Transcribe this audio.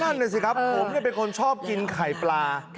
นั่นน่ะสิครับผมเป็นคนชอบกินไข่ปลา